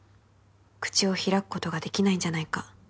「口を開くことができないんじゃないか」